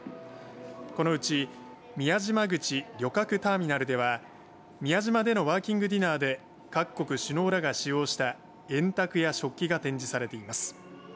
このうち宮島口旅客ターミナルでは宮島でのワーキングディナーで各国首脳らが使用した円卓や食器が展示されています。